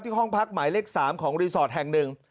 ห้องพักหมายเลข๓ของรีสอร์ทแห่งหนึ่ง